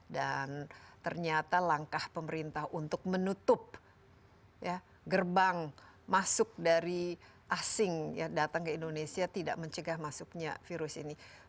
dan ternyata langkah pemerintah untuk menutup gerbang masuk dari asing datang ke indonesia tidak mencegah masuknya virus ini